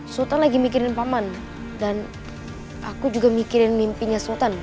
sultan lagi mikirin paman dan aku juga mikirin mimpinya sultan